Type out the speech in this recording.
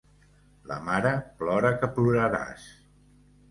La mare plora que ploraràs.